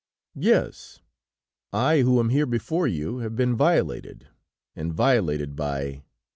"Yes, I who am here before you have been violated, and violated by!...